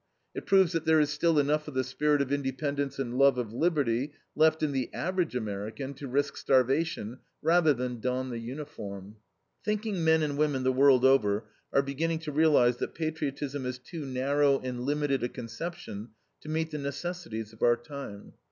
It proves that there is still enough of the spirit of independence and love of liberty left in the average American to risk starvation rather than don the uniform. Thinking men and women the world over are beginning to realize that patriotism is too narrow and limited a conception to meet the necessities of our time.